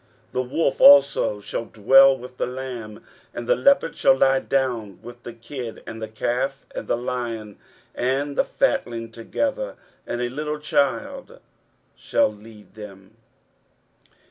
23:011:006 The wolf also shall dwell with the lamb, and the leopard shall lie down with the kid; and the calf and the young lion and the fatling together; and a little child shall lead them.